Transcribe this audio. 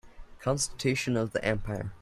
Constitution of the empire.